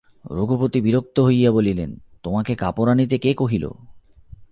রঘুপতি বিরক্ত হইয়া বলিলেন, তোমাকে কাপড় আনিতে কে কহিল?